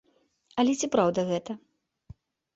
Але ці праўда гэта?